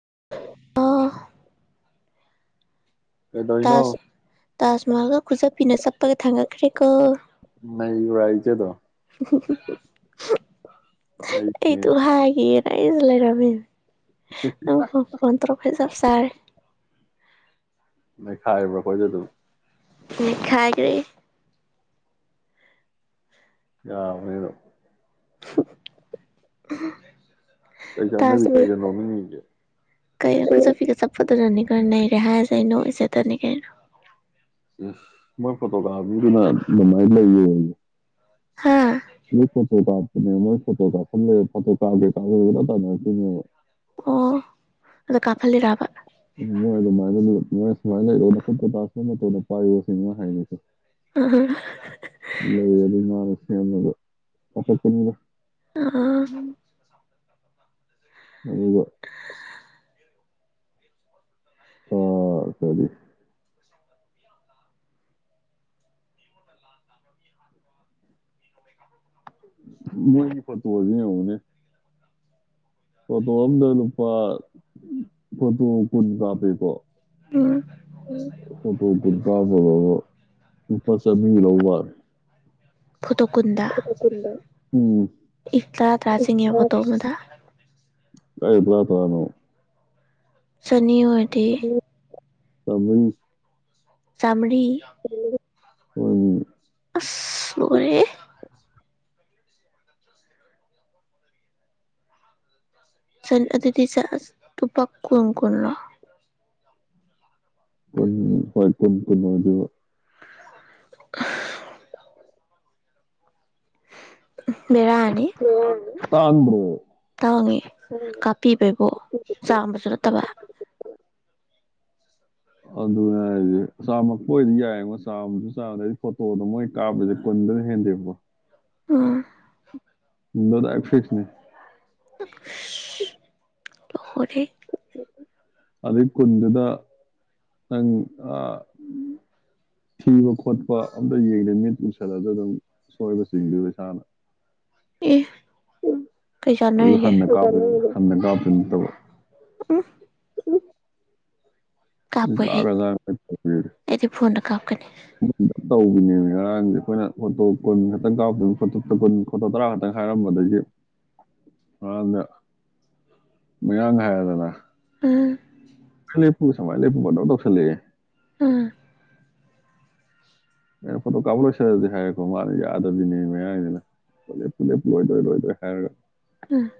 ꯂꯧꯁꯤꯟꯕ ꯉꯝꯗꯕ ꯑꯥ- ꯀꯩꯗꯧꯔꯤꯅꯣ ꯇꯥꯖ ꯇꯥꯖ ꯃꯍꯜꯒ ꯈꯨꯖꯞ ꯄꯤꯅ ꯆꯞꯄꯒ ꯊꯥꯡꯒꯠ- ꯈ꯭ꯔꯦꯀꯣ ꯅꯩꯕ꯭ꯔꯥ ꯑꯩꯖꯦ ꯑꯗꯨꯝ ꯍꯨꯝ ꯍꯨꯝ ꯍꯨꯝ ꯁꯍ ꯍꯍ ꯅꯩ ꯑꯩ ꯏꯇꯣꯝ ꯍꯥꯏꯒꯤꯒꯦ- ꯍꯥꯏꯁ ꯂꯩꯥꯔꯝꯃꯤꯃꯦ ꯍꯍ ꯅꯪ ꯐꯣ ꯐꯣꯟ ꯇꯧꯔꯛꯄ ꯆꯞ ꯆꯥꯔꯦ ꯅꯩꯈꯥꯏꯕ꯭ꯔꯥ ꯑꯩꯈꯣꯏꯖꯨ ꯑꯗꯨꯝ ꯅꯩꯈꯥꯏꯒ꯭ꯔꯦ ꯌꯥꯕꯅꯦ ꯑꯗꯨꯝ ꯎ ꯍꯝ ꯀꯩ ꯆꯥꯟꯅꯔꯤꯒꯦ ꯅꯣꯛꯅꯤꯡꯉꯤꯖꯦ ꯀꯩꯅꯣ ꯅꯪ ꯈꯨꯖꯞꯄꯤꯒ ꯆꯞꯄꯗꯨꯗꯅꯤ ꯀꯩꯅꯣ ꯅꯩꯔꯦ ꯍꯥꯏꯖ- ꯀꯩꯅꯣ ꯏꯁ ꯁꯦꯠꯇꯠꯂꯤ ꯀꯩꯅꯣ ꯏꯁ ꯃꯣꯏ ꯐꯣꯇꯣꯀꯥꯄ ꯃꯤꯗꯨꯅ ꯑꯗꯨꯃꯥꯏꯅ ꯂꯩꯌꯣꯌꯦ ꯍꯥ ꯃꯣꯏ ꯐꯣꯇꯣ ꯀꯥꯞ- ꯑꯗꯨꯗ ꯃꯣꯏ ꯐꯣꯇꯣ ꯀꯥꯞꯐꯝ ꯂꯩ ꯐꯣꯇꯣ ꯀꯥꯞꯀꯦ ꯀꯥꯞꯀꯦꯅ ꯀꯣꯏꯇꯥꯟ ꯇꯥꯟꯅꯔꯛꯇꯣꯏꯅꯦꯕ ꯑꯣ ꯑꯗ ꯀꯥꯞꯐꯜꯂꯤꯔꯥꯕ ꯃꯣꯏ ꯑꯗꯨꯃꯥꯏꯅꯅꯦ ꯅꯣꯏ ꯁꯨꯃꯥꯏꯅ ꯂꯩꯔꯣ ꯅꯈꯨꯠ ꯅꯀꯣ ꯇꯥꯖ ꯃꯍꯜ ꯃꯇꯣꯟꯗꯣ ꯄꯥꯏꯔꯣ ꯁꯤꯅꯤ ꯃꯣꯏ ꯍꯥꯏꯗꯣꯏꯁꯦ ꯑ ꯂꯩ ꯑꯗꯨ ꯃꯥꯁꯨ ꯌꯥꯝꯅꯒ ꯄꯥꯈꯠꯄꯅꯤꯕ ꯑꯥ ꯎꯔꯕꯣ ꯑꯥ ꯀꯔꯤ ꯃꯣꯏꯒꯤ ꯐꯣꯇꯣꯖꯦ ꯌꯦꯡꯉꯨꯅꯦ ꯐꯣꯇꯣꯑꯝꯗꯥ ꯂꯨꯄꯥ ꯐꯣꯇꯣ ꯀꯨꯟ ꯀꯥꯞꯄꯦꯀꯣ ꯐꯣꯇꯣ ꯀꯨꯟ ꯀꯥꯞꯄꯗꯕꯨ ꯂꯨꯄꯥ ꯆꯅꯤꯒ ꯂꯧꯕ ꯋꯥꯅꯤ ꯐꯣꯇꯣ ꯀꯨꯟꯗ ꯎꯝ ꯏ ꯇꯔꯥ ꯇꯔꯥ ꯆꯪꯉꯦ ꯐꯣꯇꯣ ꯑꯃꯗ ꯀꯥꯏꯗꯩ ꯇꯔꯥ ꯇꯔꯥꯅꯣ ꯁꯠ ꯅꯤ ꯑꫭꯏꯔꯗꯤ ꯆꯝꯔꯤ ꯆꯥꯝ ꯨꯔꯤ ꯍꫭꯏꯃꯤ ꯑꯁ ꯂꫭꯏꯔꯦꯍꯦ ꯆꯟ ꯑꯗꯨꯗꯤ ꯆ ꯑ ꯂꯨꯄꯥ ꯀꯨꯟ ꯀꯨꯟꯔꫭ ꯀꯩꯟ ꯍꫭꯏ ꯀꯨꯟ ꯀꯨꯟ ꯑꫭꯏꯗꫭꯏꯕ [inaudible] ꯎ ꯕꯦꯔꯥꯅꯤ ꯇꯥꯡꯗ꯭ꯔꫭ ꯇꯥꯡꯉꯤ ꯀꯥꯞꯄꯤꯕꯩꯕꯨ ꯆꯥꯝꯕꯁꯨ ꯅꯠꯇꯕ ꯑꯗꯨꯅꯦ ꯍꯥꯏꯁꯦ ꯆꯥꯝ ꯃꯛꯄ ꯑꯣꯏꯗꯤ ꯌꯥꯏꯕ ꯆꯥꯝꯖꯨ ꯆꯥꯝꯗꯦ ꯗꯩ ꯐꯣꯇꯣꯗꯣ ꯃꯣꯏ ꯀꯥꯞꯄꯤꯁꯦ ꯀꯨꯟꯗꯒ ꯍꯦꯟꯗꯦꯕꯀꫭ ꯑꯥ ꯗ ꯗꯥꯏꯛ ꯐꯤꯛꯁꯅꯤ ꯑꯁ ꯂꫭꯔꯦꯍꯦ ꯑꯗꯨꯏ ꯀꯨꯟꯗꯨꯗ ꯅꯪ ꯑ ꯊꯤꯕ ꯈꯣꯠꯄ ꯑꯝꯇ ꯌꯦꯡꯗꯦ ꯃꯤꯠ ꯎꯏꯁꯜꯂꯁꯨ ꯑꯗꯨꯝ ꯁꯣꯏꯕ ꯆꯤꯡꯗꫭꯏꯕ ꯏꯁꯥꯅ ꯑꯦ ꯀꯩ ꯑꯗꯨ ꯆꯥꯟꯅꯔꯤꯒꯦ ꯍꯟꯅ ꯀꯥ ꯍꯟꯅ ꯀꯥꯞꯇꯨꯏ ꯅꯠꯇꯕ ꯎꯍ ꯎ ꯏ ꯑꯩ ꯀꯥꯒ꯭ꯔ ꯑꯩꯗꯤ ꯐꯣꯟꯗ ꯀꯥꯞꯀꯅꯤ [inaudible] ꯇꯧꯕꯤꯅꯦꯃꯤ ꯉꯔꯥꯡꯁꯦ ꯑꯩꯈꯣꯏꯅ ꯐꯣꯇꯣ ꯀꯨꯟ ꯈꯛꯇꯪ ꯀꯥꯞꯇꯣꯏꯅꯤ ꯐꯣꯇꯣ ꯀꯨꯟ ꯐꯣꯇꯣ ꯇꯔꯥ ꯈꯛꯇꯪ ꯍꯥꯏꯔꯝꯕꯗꯒꯤ ꯉꯔꯥꯡꯗ ꯃꯌꯥꯥꯡ ꯍꯥꯏꯔꯗꯅ ꯑꯥ ꯂꯦꯄꯨ ꯁꯨꯃꯥꯏ ꯂꯦꯄꯨ ꯄꯪꯇꯧ ꯇꯧꯁꯜꯂꯛꯑꯦ ꯑ ꯑꯩꯅ ꯐꯣꯇꯣ ꯀꯥꯞꯄ ꯂꯣꯏꯁꯤꯜꯂꯁꯤ ꯍꯥꯏꯔꯦꯀꯣ ꯃꯥꯅ ꯌꯥꯗꯕꯤꯅꯦ ꯃꯌꯥꯏꯅꯤꯅ ꯂꯦꯄꯨ ꯂꯦꯄꯨ ꯂꯣꯏꯗꫭꯔꯦ ꯂꯣꯏꯗꫭꯔꯦ ꯍꯥꯏꯔꯒ ꯎꯝ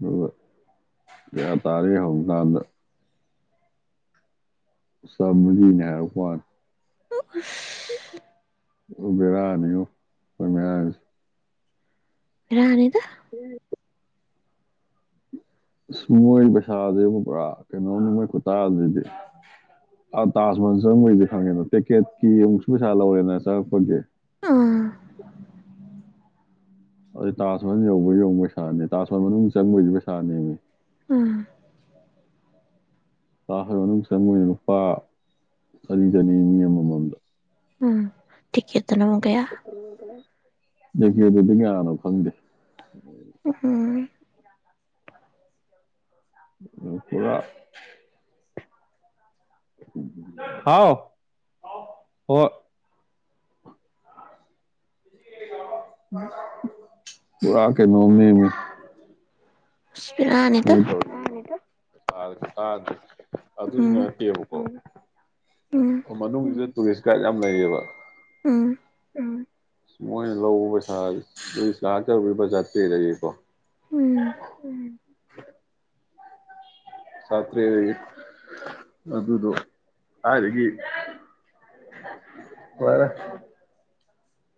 ꯗꯨꯒ ꯀꯌꯥ ꯇꯥꯔꯦ ꯍꯪꯉꯨ ꯀꯥꯟꯗ ꯆꯥꯝꯔꯤꯅꯦ ꯍꯥꯏꯔꯛꯄ ꯋꯥꯅꯤ ꯎ ꯎꯁ ꯄꯨꯔꯥ ꯕꯦꯔꯥꯅꯤꯕꫭ ꯃꫭꯏ ꯃꯌꯥꯡꯁꯦ ꯕꯦꯔꯥꯅꯤꯗ [inaudible] ꯑꯁ ꯃꯣꯏ ꯄꯩꯁꯥꯖꯦꯗꯤ ꯄꯨꯔꯥ ꯀꯩꯅꯣꯝꯅꯤ ꯃꯣꯏ ꯈꯨꯇꯥꯟꯖꯤꯗꯤ ꯑ ꯇꯥꯖ ꯃꯍꯜ ꯆꯪꯕꯩꯗꯤ ꯈꯪ ꯉꯦꯅ ꯇꯤꯀꯦꯠꯀꯤ ꯑꯃꯨꯛꯁꯨ ꯄꯩꯁꯥ ꯂꯧꯔꯦꯅ ꯆꯪꯉꯛꯄꯒꯤ ꯎꯝ ꯑꯗꯩꯗ ꯇꯥꯖ ꯃꯍꯜ ꯌꯦꯡꯕꯩ ꯑꯃꯨꯛ ꯄꯩꯁꯥꯅꯦ ꯇꯥꯖ ꯃꯍꯜ ꯃꯅꯨꯡ ꯆꯪꯕꯩꯖꯨ ꯄꯩꯁꯥꯅꯦꯃꯤ ꯑꯥ ꯇꯥꯖ ꯃꯍꯜ ꯃꯅꯨꯡ ꯆꯪꯕꯩꯅꯅ ꯂꯨꯄꯥ ꯆꯅꯤ ꯆꯅꯤ ꯅꯦ ꯃꯤ ꯑꯃꯃꯝꯗ ꯎꯝ ꯇꯤꯀꯦꯠ ꯠꯇꯅꯧ ꯀꯌꯥ ꯂꯩꯀꯦꯗꯨꯗꯤ ꯀꯥꯟꯅꯣ ꯈꯪꯗꯦ ꯎꯝ ꯄꯨꯔꯥ ꯍꯥꯎ ꯍ ꯄꯨꯥ ꯀ ꯃꯃꯤ ꯑꯅꯤꯗ ꯑ ꯁꯥ ꯑꯗꯨ ꯎꯝ ꯑꯗꯨꯁꯤꯅꯠꯇꯦꯕꯀꯣ ꯎꯝ ꯑꯣ ꯃꯅꯨꯡꯁꯤꯗ ꯇꯨꯔꯤꯁ ꯒꯥꯏꯗ ꯌꯥꯝ ꯂꯩꯌꯦꯕ ꯎꯝ ꯃꯣꯏꯅ ꯂꯧꯕ ꯄꯩꯁꯥ ꯑꯗꯨ ꯂꯥꯛꯇꯕ ꯆꯠꯇꯦꯗꯒꯤꯀꯣ ꯎꯝ [unintelligible] ꯁꯥꯇꯦ ꯃ ꯑꯗꯨꯗ ꯍꯥꯏꯔꯒꯤ ꯐꯔ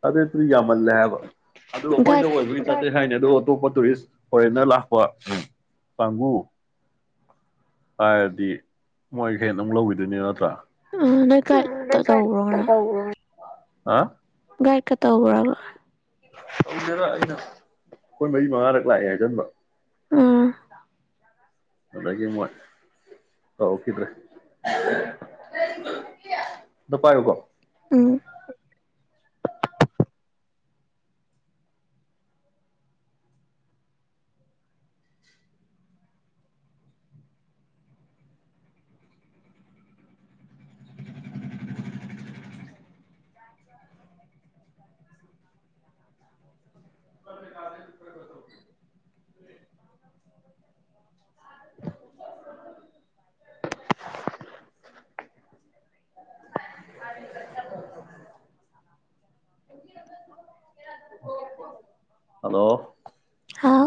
ꯑꯗ ꯇ꯭ꯔꯤꯖꯥ ꯃꯜꯂꯕ ꯑꯗꯨ ꯑꯩꯈꯣꯏꯗ ꯒꯥꯏꯠ ꯑꯣꯏꯕꯒꯤ ꯆꯥꯠꯇꯦ ꯀꯔꯤ ꯍꯥꯏꯅꯤ ꯑꯗꯣ ꯑꯇꯣꯞꯄ ꯇꯨꯔꯤꯁ ꯐꯣꯔꯦꯟꯅꯔ ꯂꯥꯛꯄ ꯎ ꯀꯥꯡꯕꯨ ꯍꯥꯏꯔꯗꯤ ꯃꯣꯏꯈꯩ ꯑꯃꯨꯝ ꯂꯧꯈꯤꯗꯣꯏꯅꯦꯕ ꯅꯠꯇ꯭ꯔꯥ ꯑꯝ ꯅꯣꯏ ꯀꯥꯏ ꯇꯧ ꯇꯧꯕ꯭ꯔꯣ ꯉꯔꯥꯡ ꯑ ꯒꯥꯏꯗꯀ ꯇꯧꯕ꯭ꯔꯕ ꯇꯨꯗꯦꯗ ꯑꯩꯅ ꯑꯩꯈꯣꯏ ꯃꯔꯤ ꯃꯉꯥꯔꯛ ꯂꯥꯛꯑꯦ ꯍꯥꯏ ꯈꯟꯕ ꯑꯥ ꯑꯗꯒꯥꯃꯣꯏ ꯇꯧꯔꯛꯈꯤꯗ꯭ꯔꯦ ꯑꯗ ꯄꯥꯏꯌꯨꯀꯣ ꯎꯝ ꯑꯟꯑꯣꯗꯤꯕꯜ ꯍꯜꯂꯣ ꯍꯥꯎ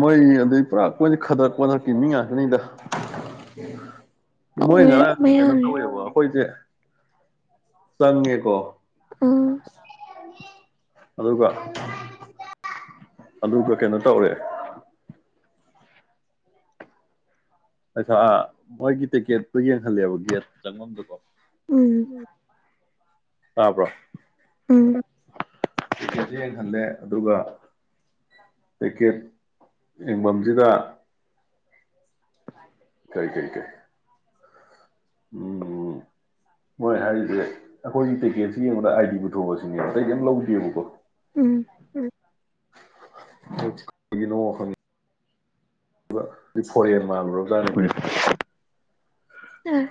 ꯃꯣꯏ ꯑꯗꯩ ꯄꯨꯔꯥ ꯃꯣꯏꯁꯦ ꯈꯗꯔꯛ ꯈꯣꯟꯊꯔꯛꯀꯤ ꯃꯤ ꯉꯥꯛꯇꯅꯤꯗ ꯃꯣꯏ ꯉꯔꯥꯡ ꯀꯩꯅꯣ ꯃꯌꯥꯝꯁꯦ ꯇꯧꯋꯦꯕ ꯑꯩꯈꯣꯏꯁꯦ ꯆꯉꯦꯀꯣ ꯑꯝ ꯑꯗꯨꯒ ꯑꯗꯨꯒ ꯀꯩꯅꯣ ꯇꯧꯔꯦ ꯑꯩꯩꯁꯥ ꯃꯣꯏꯒꯤ ꯇꯤꯛꯀꯦꯠꯇꯨ ꯌꯦꯡꯍꯜꯂꯦꯕ ꯒꯦꯠ ꯆꯪꯐꯝꯗꯨꯀꯣ ꯎꯝ ꯇꯥꯕ꯭ꯔꯣ ꯎꯝ ꯇꯤꯀꯦꯠꯁ ꯌꯦꯡꯍꯜꯂꯦ ꯑꯗꯨꯒ ꯇꯤꯀꯦꯠ ꯌꯦꯡꯐꯝꯁꯤꯗ ꯑꯟꯑꯣꯗꯤꯕꯜ ꯀꯩ ꯀꯩ ꯀꯩ ꯎꯝ ꯎꯝ ꯃꯣꯏ ꯍꯥꯏꯔꯤꯁꯦ ꯑꯩꯈꯣꯏꯒꯤ ꯇꯦꯛꯀꯦꯠꯁꯤ ꯌꯦꯡꯕꯗ ꯑꯥꯏꯗꯤ ꯄꯨꯊꯣꯛꯑꯁꯤꯅꯦꯕ ꯀꯇꯩꯗꯤꯝ ꯂꯧꯗꯦꯕꯀꯣ ꯎꯝ ꯑꯟꯏꯟꯇꯦꯜꯂꯤꯖꯦꯕꯜ ꯒꯤꯅꯣ ꯐꯣꯔꯦꯟ ꯃꯥꯜꯂꯨꯔꯞꯖꯥꯠꯅꯤ ꯑꯥ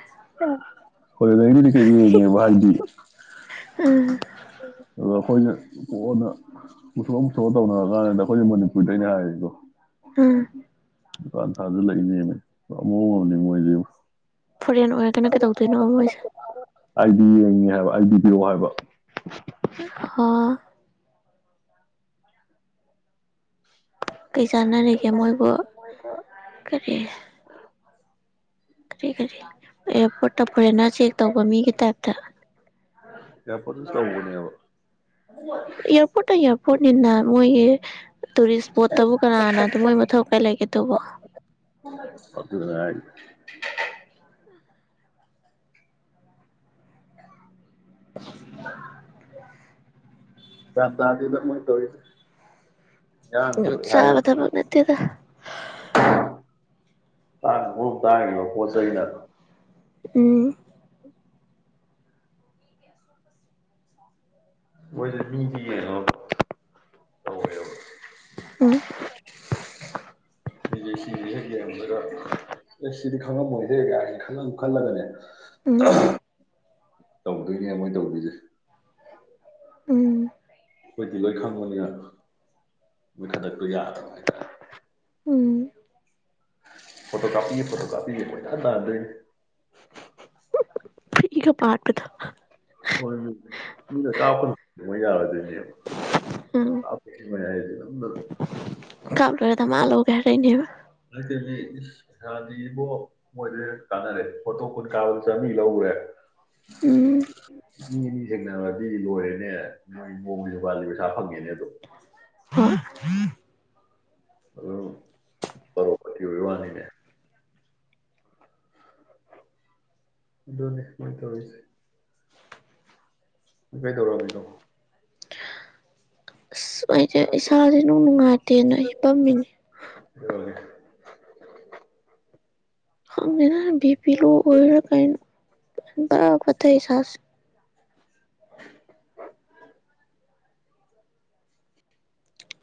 ꯍꯣꯏ ꯂꯩꯔꯤꯗꯤ ꯀꯩ ꯌꯦꯡꯉꯦꯕ ꯍꯥꯏꯗꯤ ꯎꯝ ꯑ ꯑꯩꯈꯣꯏꯅ ꯀꯣꯟꯅ ꯄꯨꯊꯣꯛꯑꯣ ꯄꯨꯊꯣꯛꯑꯣ ꯇꯧꯅ ꯀꯥꯟꯁꯤꯗ ꯑꯩꯈꯣꯏꯁ ꯃꯅꯤꯄꯨꯔꯗꯩꯅ ꯍꯥꯏꯔꯤꯗꯣ ꯎꯝ ꯗꯨꯀꯥꯟꯊꯥꯖꯜꯂꯛꯏꯅꯦꯃꯤ ꯑꯃꯨꯣꯅꯤ ꯃꯣꯏꯗꯤ ꯐꯣꯔꯦꯟ ꯑꯣꯏꯔꯒꯅ ꯀꯩꯗꯧꯗꯣꯏꯅꯣꯕ ꯃꯣꯏꯁꯤ ꯑꯩꯒꯤꯕꯤꯌꯨ ꯍꯥꯏꯕ ꯑꯣ ꯀꯩ ꯀꯩ ꯆꯥꯟꯅꯔꯤꯒꯦ ꯃꯣꯏꯕꯣ ꯆꯥꯟꯅꯔꯤꯒꯦ ꯃꯣꯏꯕꯨ ꯀꯔꯤ ꯀꯔꯤ ꯀꯔꯤ ꯑꯦꯌꯥꯔꯄꯣꯔꯠꯇ ꯐꯣꯔꯦꯅꯔ ꯆꯦꯛ ꯇꯧꯕ ꯃꯤꯒꯤ ꯇꯥꯏꯞꯇ ꯑꯦꯌꯔꯄꯣꯔꯠꯇ ꯇꯧꯕꯅꯦꯕ ꯑꯦꯔꯄꯣꯔꯠꯇ ꯑꯦꯔ ꯄꯣꯔꯠꯅꯦꯅ ꯃꯣꯏꯒꯤ ꯇꯨꯔꯤꯁ ꯁꯄꯣꯠ ꯇꯕꯨ ꯀꯅꯥꯅꯗ ꯗꯨ ꯃꯣꯏ ꯃꯊꯧ ꯕꯂꯩꯒꯦ ꯇꯨꯕꯣ ꯐꯠꯇꯗꯅ ꯌꯥ ꯑꯟꯑꯣꯗꯤꯕꯜ ꯒꯥꯟ ꯇꯥꯗꯦꯗꯃꯣꯏꯟ ꯇꯣꯏꯁꯤ ꯆꯥꯕ ꯊꯕꯛ ꯅꯠꯇꯦꯗ ꯊꯥꯡꯅ ꯃ ꯆꯥꯔꯤꯕ ꯄꯣꯠ ꯆꯩꯩꯅ ꯎꯝ ꯃꯣꯏꯁꯤ ꯃꯤꯗꯤ ꯌꯦꯡꯉꯣ ꯇꯧꯋꯦꯕ ꯎꯝ ꯁꯤꯁꯦ ꯁꯤꯁꯦ ꯍꯦꯛ ꯌꯦꯡꯕꯗꯒ ꯑꯦ ꯁꯤꯗꯤ ꯈꯪꯉꯝꯃꯣꯏꯍꯦ ꯒꯥꯏ ꯈꯜꯂꯝ ꯈꯜꯂꯒꯅꯦ ꯎꯝ ꯇꯧꯗꯣꯏꯅꯦ ꯃꯣꯏ ꯇꯧꯗꯣꯏꯁꯦ ꯎꯝ ꯑꯩꯈꯣꯏꯗꯤ ꯂꯣꯏ ꯈꯪꯕꯅꯤꯅ ꯃꯣꯏ ꯈꯗ꯭ꯔꯛꯇꯨ ꯌꯥꯗꯕ ꯍꯥꯏꯇꯥꯔꯦ ꯎꯝ ꯐꯣꯇꯣ ꯀꯥꯞꯄꯤꯒꯦ ꯐꯣꯇꯣ ꯀꯥꯞꯄꯤꯒꯦ ꯀꯣꯏꯇꯥꯟ ꯇꯥꯟꯗꯣꯏꯅꯤ ꯑꯟꯑꯣꯗꯤꯕꯜ [unintelligible] [inaudible] ꯐꯤꯒ ꯄꯥꯠꯄꯗꯣ ꯍꯣꯏ ꯃꯤꯅ ꯀꯥꯞꯀꯅꯣ ꯃꯣꯏ ꯌꯥꯔꯣꯏꯗꯩꯅꯤ ꯎꯝ ꯑ ꯃꯌꯥ ꯅꯗ [inaudible] [unintelligible] ꯗꯃꯥ ꯂꯧꯒꯦ ꯍꯥꯏꯔꯛꯀꯅꯦꯕ ꯏꯁ ꯄꯩꯁꯥꯗꯤ ꯏꯕꯣ ꯃꯣꯏꯗꯤ ꯀꯥꯟꯅꯔꯦ ꯐꯣꯇꯣ ꯈꯨꯟ ꯀꯥꯞꯄꯗ ꯆꯥꯃꯤ ꯂꯧꯔꯦ ꯎꯝ ꯃꯤ ꯑꯅꯤ ꯌꯦꯛꯅꯥꯔꯗꯤ ꯂꯣꯏꯔꯦꯅꯦ [unintelligible] ꯐꯪꯉꯦꯅꯦ ꯑꯗꯣ [unintelligible] ꯑꯗꯨ ꯐꯔꯕꯗꯤ ꯋꯥꯅꯤꯅꯦ ꯑꯗꯨꯅꯤ ꯃꯣꯏꯇꯧꯔꯤꯁꯦ ꯃꯣꯏ ꯇꯧꯔꯣꯕꯤꯗꯣ ꯑꯁ ꯑꯩꯁꯦ ꯏꯁꯥꯥꯁꯦ ꯏꯅꯨꯡ ꯅꯨꯡꯉꯥꯏꯇꯦꯅꯦ ꯑꯩ ꯍꯤꯞꯄꯝꯃꯤꯅꯦ ꯂꯣꯏꯈꯔ꯭ꯦ [unintelligible] [inaudible] ꯈꯪꯗꯦꯗ ꯑꯩꯗꯤ ꯄꯤ ꯂꯣ ꯑꯣꯏꯕꯔꯥ ꯀꯩꯅꯣ ꯕꯥꯔꯥ ꯄꯠꯊꯩ ꯏꯁꯥꯁꯦ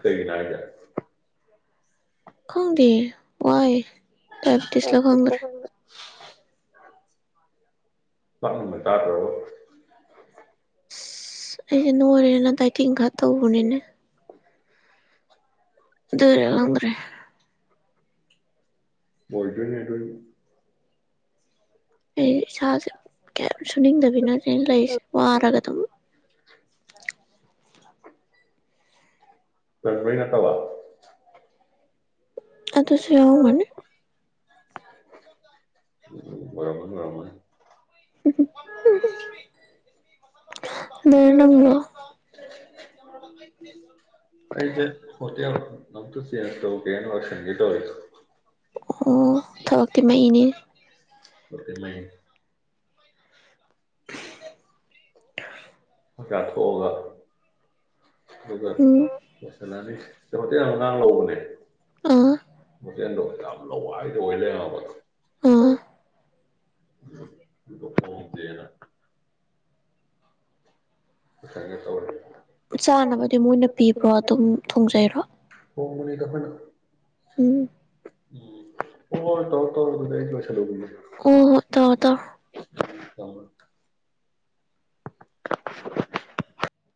ꯀꯩꯒꯤ ꯅꯥꯏꯔꯥ ꯈꯡꯗꯦ ꯋꯥꯏꯌꯦ ꯗꯥꯏꯕꯇꯤꯁ ꯂ ꯈꯡꯗꯦ ꯍꯤꯗꯛꯀꯨꯝꯕ ꯆꯇꯔꯣ ꯑꯁ ꯑꯩꯁꯦ ꯅꯣꯏꯔꯦꯅ ꯗꯥꯏꯇꯤꯡ ꯈꯔ ꯇꯧꯕꯅꯤꯅꯦ ꯑꯗꯨꯏꯔꯥ ꯈꯪꯗꯔꯦ ꯂꯣꯏꯗꯔ꯭ꯤ ꯑꯩꯈꯣꯏꯒꯤ ꯑꯩ ꯏꯁꯥꯁꯦ ꯀꯌꯥꯝ ꯁꯨꯅꯤꯡꯗꯕꯤꯅ ꯑꯩ ꯂꯩꯁꯦ ꯋꯥꯔꯒ ꯑꯗꯨꯝ ꯂꯝꯃꯔꯤꯅꯠꯇꯕ ꯑꯗꯨꯁꯨ ꯌꯥꯒꯅꯤ [unintelligible] [inaudible] ꯅꯪꯕꯨ ꯑꯩꯗꯤ [unintelligible] ꯆꯦ ꯀꯩꯅꯣ ꯇꯥꯌꯥꯏꯃꯥ ꯂꯥꯛꯑ ꯁꯅꯒꯦ ꯇꯧꯕꯅꯦ ꯑꯣ ꯊꯕꯛꯇꯤꯃꯩꯅꯦ ꯎꯝ ꯃꯥꯟꯅꯦ [inaudible] ꯆꯥ ꯊꯣꯛꯑꯒ ꯑꯗꯨꯒ ꯎꯝ ꯋ꯭ꯁꯀꯥ ꯅꯥꯒꯩ ꯁꯤ ꯍꯣꯇꯦꯜ ꯑꯉꯥꯡ ꯂꯧꯕꯅꯦ ꯑꯥ ꯃꯣꯏ ꯇꯦꯟꯗꯣ ꯌꯥꯝ ꯂꯋꯥꯏꯗ ꯑꯣꯏ ꯂꯩꯔꯝꯃꯦ ꯍꯥꯏꯕꯥ ꯑꯥ ꯑꯁꯥꯏꯗ ꯇꯧꯔꯦ ꯄꯨꯛ ꯆꯥꯟꯅꯕꯗꯤ ꯃꯣꯏꯅ ꯄꯤꯕ꯭ꯔꯣ ꯑꯗꯨꯝ ꯊꯣꯡꯖꯩꯔꯣ ꯀꯦꯟꯇꯤꯟꯗ ꯎꯝ ꯎꯝ ꯍꯣꯏ ꯇꯧꯔꯣ ꯇꯧꯔꯣ ꯑꯗꯨꯗꯤ ꯑꯩꯁꯨ ꯂꯣꯏꯁꯜꯂꯨꯈꯤꯒꯦ ꯍꯣꯏꯅ ꯗꯥꯗꯥ ꯇꯧꯔꯛ [unintelligible]